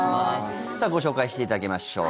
さあご紹介していただきましょう。